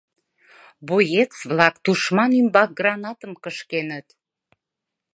Боец-влак тушман ӱмбак гранатым кышкеныт...